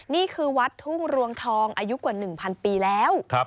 นี่คือวัดทุ่งรวงทองอายุกว่า๑๐๐ปีแล้ว